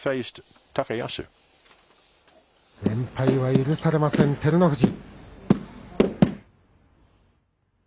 連敗は許されません、照ノ富士。